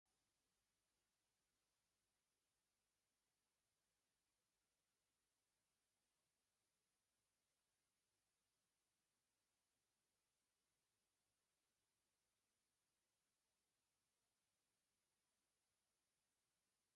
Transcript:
no audio